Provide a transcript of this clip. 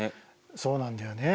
そうなんだよね。